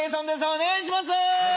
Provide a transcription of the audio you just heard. お願いします！